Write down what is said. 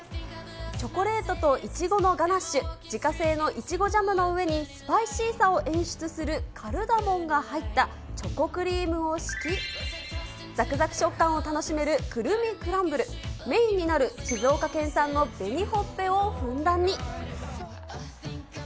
チョコレートといちごのガナッシュ、自家製のいちごジャムの上にスパイシーさを演出するカルダモンが入ったチョコクリームを敷き、ざくざく食感を楽しめるクルミクランブル、メインになる静岡県産の紅ほっぺをふんだんに。